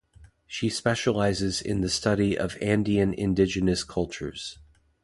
She specializes in the study of Andean indigenous cultures.